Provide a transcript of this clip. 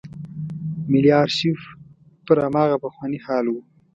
ملي آرشیف پر هماغه پخواني حال و.